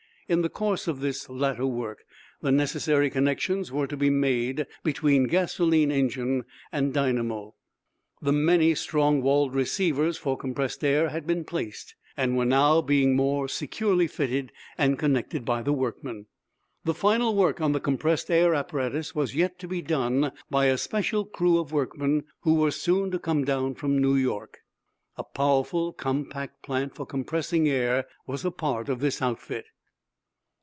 In the course of this latter work the necessary connections were to be made between gasoline engine and dynamo. The many strong walled receivers for compressed air had been placed, and were now being more securely fitted and connected by the workmen. The final work on the compressed air apparatus was yet to be done by a special crew of workmen who were soon to come down from New York. A powerful, compact plant for compressing air was a part of this outfit.